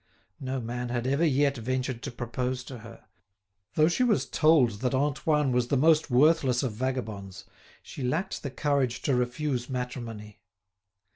No man had ever yet ventured to propose to her. Though she was told that Antoine was the most worthless of vagabonds, she lacked the courage to refuse matrimony.